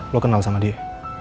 lo kenal sama dia